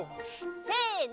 せの！